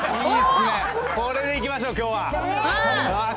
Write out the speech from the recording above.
これでいきましょう、きょうは。